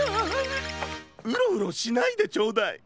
ウロウロしないでちょうだい。